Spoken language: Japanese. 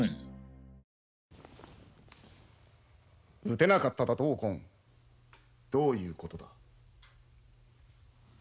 討てなかっただとお紺どういうことだ？